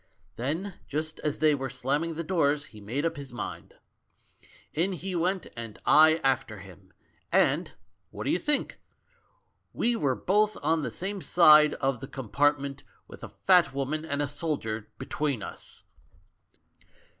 Then just as they were slamming the doors, he made up his mind. In he went, and I after him, and — what do you think? We were both on the same side of the compartment, with a fat wo:iian and a soldier between us!